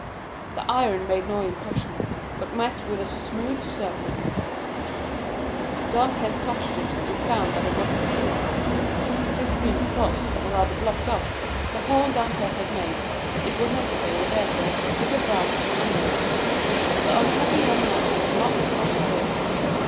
The iron made no impression, but met with a smooth surface; Dantès touched it, and found that it was a beam. This beam crossed, or rather blocked up, the hole Dantès had made; it was necessary, therefore, to dig above or under it. The unhappy young man had not thought of this.